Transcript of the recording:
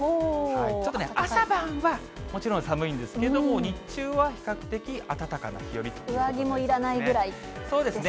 ちょっと朝晩は、もちろん寒いんですけども、日中は比較的暖かな日和ということですね。